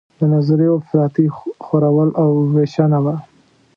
د نظریو افراطي خورول او ویشنه وه.